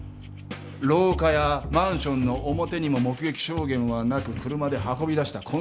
廊下やマンションの表にも目撃証言はなく車で運び出した痕跡もない。